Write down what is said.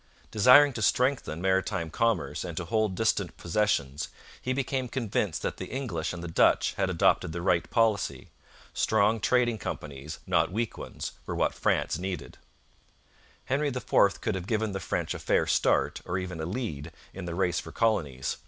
Desiring to strengthen maritime commerce and to hold distant possessions, he became convinced that the English and the Dutch had adopted the right policy. Strong trading companies not weak ones were what France needed. Henry IV could have given the French a fair start, or even a lead, in the race for colonies.